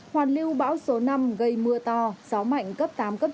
hoàn lưu bão số năm gây mưa to gió mạnh cấp tám cấp chín